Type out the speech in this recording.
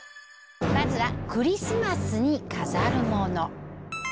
まずは「クリスマス」に飾るもの。